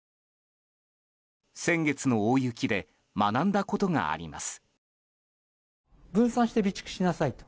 先月の大雪で学んだことがあります。